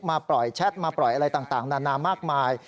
มาปล่อยแชทมาปล่อยอะไรต่างนานามากมาย